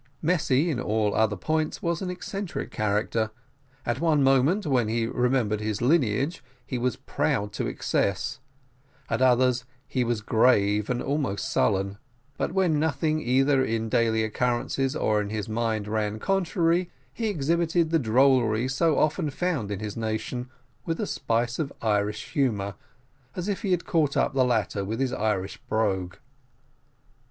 Mesty in other points was an eccentric character; at one moment, when he remembered his lineage, he was proud to excess, at others he was grave and almost sullen but when nothing either in daily occurrences or in his mind ran contrary, he exhibited the drollery so often found in his nation, with a spice of Irish humour, as if he had caught up the latter with his Irish brogue.